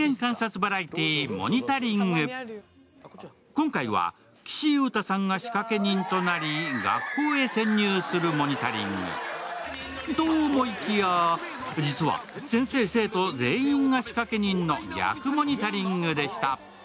今回は岸優太さんが仕掛け人となり、学校へ潜入するモニタリング。と思いきや、実は先生・生徒全員が仕掛け人の逆モニタリングでした。